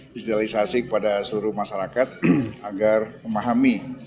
digitalisasi kepada seluruh masyarakat agar memahami